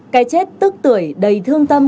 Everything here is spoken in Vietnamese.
cái chết tức tuổi đầy thương tâm